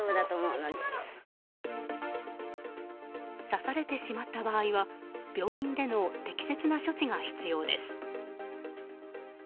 刺されてしまった場合は病院での適切な処置が必要です。